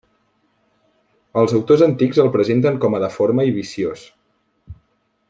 Els autors antics el presenten com a deforme i viciós.